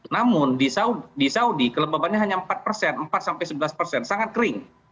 namun di saudi kelebebannya hanya empat persen empat sampai sebelas persen sangat kering